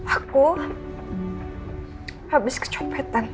aku habis kecopetan